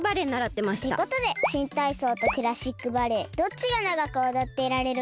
ってことで新体操とクラシックバレエどっちが長く踊っていられるか対決です！